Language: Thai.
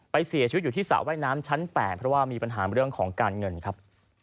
เสียชีวิตอยู่ที่สระว่ายน้ำชั้น๘เพราะว่ามีปัญหาเรื่องของการเงินครับ